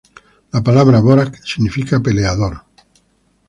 La palabra "Borac" significa Peleador.